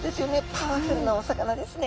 パワフルなお魚ですね。